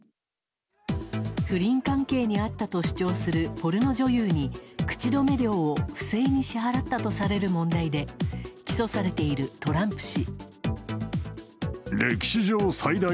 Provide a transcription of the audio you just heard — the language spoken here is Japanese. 不倫関係にあったと主張するポルノ女優に、口止め料を不正に支払ったとする問題で起訴されているトランプ氏。